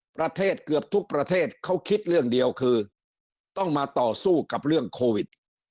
ประเทศเกือบทุกประเทศเขาคิดเรื่องเดียวคือต้องมาต่อสู้กับเรื่องโควิด